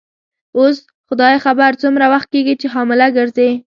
اوس خدای خبر څومره وخت کیږي چي حامله ګرځې.